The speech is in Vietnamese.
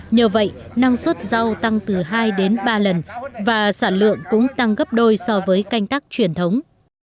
nhờ vậy năng suất rau tăng từ hai đến ba lần và sản lượng cũng tăng gấp đôi so với canh tác truyền thống